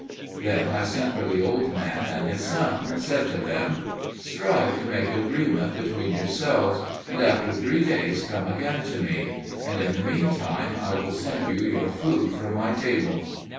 Then I sent for the old man and his son, and said to them, "Strive to make agreement between yourselves, and after three days come again to me; and in the meantime I will send you your food from my table."